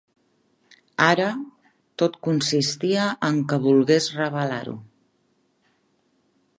Ara… tot consistia en què volgués revelar-ho.